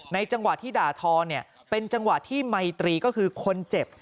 จังหวะที่ด่าทอเนี่ยเป็นจังหวะที่ไมตรีก็คือคนเจ็บ